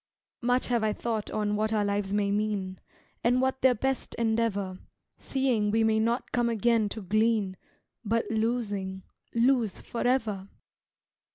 Much have I thought on what our lives may mean, And what their best endeavor, Seeing we may not come again to glean, But, losing, lose forever.